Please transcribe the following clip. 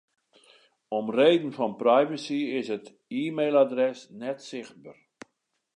Om reden fan privacy is it e-mailadres net sichtber.